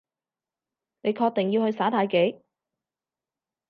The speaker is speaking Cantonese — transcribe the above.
你確定要去耍太極？